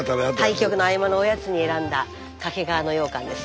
対局の合間のおやつに選んだ掛川のようかんです。